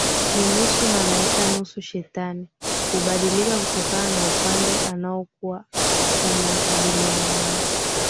Ni nusu malaika nusu shetani hubadilika kutokana na upande unaokua unakabiliana nae